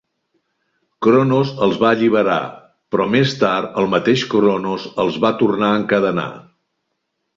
Cronos els va alliberar, però més tard el mateix Cronos els va tornar a encadenar.